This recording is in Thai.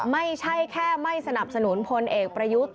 ไม่ใช่แค่ไม่สนับสนุนพลเอกประยุทธ์